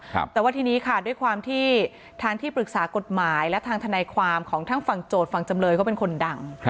แต่ว่าทีนี้ค่ะด้วยความที่ทางที่ปรึกษากฎหมายและทางทนายความของทั้งฝั่งโจทย์ฝั่งจำเลยเขาเป็นคนดัง